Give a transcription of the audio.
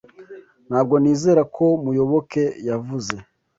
Ntabwo nizera ko Muyoboke yavuze.